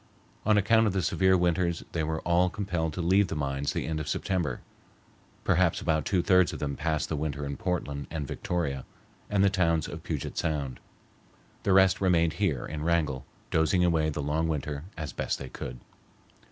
On account of the severe winters they were all compelled to leave the mines the end of September. Perhaps about two thirds of them passed the winter in Portland and Victoria and the towns of Puget Sound. The rest remained here in Wrangell, dozing away the long winter as best they could.